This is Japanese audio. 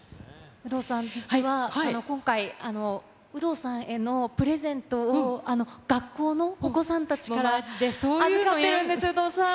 有働さん、実は、今回、有働さんへのプレゼントを学校のお子さんたちから預かってるんです、有働さん。